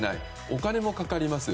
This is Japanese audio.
お金もかかります。